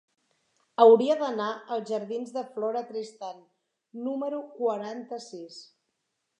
Hauria d'anar als jardins de Flora Tristán número quaranta-sis.